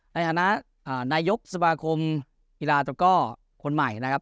ในอาณาอ่านายกสมาคมกีฬาตะกอล์คนใหม่นะครับ